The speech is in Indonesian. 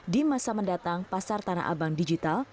di masa mendatang pasar tanah abang digital